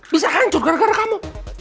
bisa hancur gara gara kamu